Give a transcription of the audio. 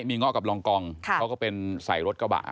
มีเงาะกับรองกองเขาก็เป็นใส่รถกระบะ